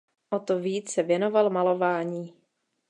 O to víc se věnoval malování.